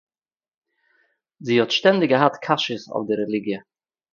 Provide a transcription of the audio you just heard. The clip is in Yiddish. זי האָט שטענדיג געהאַט קשיות אויף דער רעליגיע